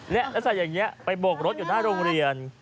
แล้วใส่อย่างนี้ไปโบกรถอยู่หน้าโรงเรียน